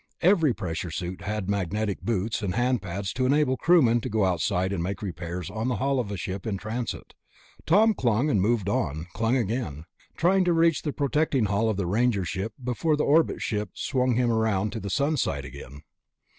Every pressure suit had magnetic boots and hand pads to enable crewmen to go outside and make repairs on the hull of a ship in transit. Tom clung, and moved, and clung again, trying to reach the protecting hull of the Ranger before the orbit ship swung him around to the sun side again....